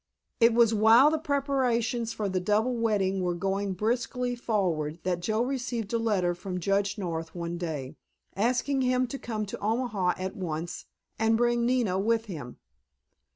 It was while the preparations for the double wedding were going briskly forward that Joe received a letter from Judge North one day, asking him to come to Omaha at once, and bring Nina with him.